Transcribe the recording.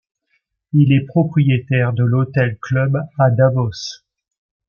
Il est le propriétaire de l'Hôtel Club à Davos.